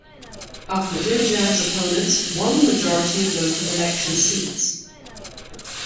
Ahmadinejad's opponents won the majority of local election seats.